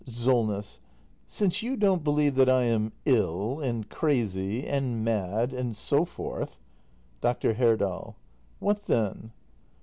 SOLNESS. Since you don't believe that I am — ill — and crazy — and mad, and so forth Dr. Herdal. What then